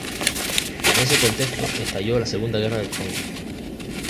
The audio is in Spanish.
En ese contexto estalló la Segunda Guerra del Congo.